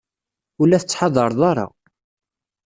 Ur la tettḥadareḍ ara.